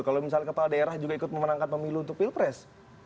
kalau misalnya kepala daerah juga ikut memenangkan pemilu untuk pilpres